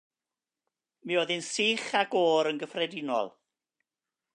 Mi oedd hi'n sych ac oer yn gyffredinol.